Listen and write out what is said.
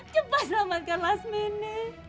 cepat selamatkan lasmini